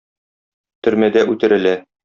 Төрмәдә үтерелә.